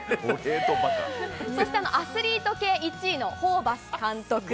アスリート系１位のホーバス監督。